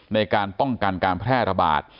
ในการป้องกันการแพร่ระบาด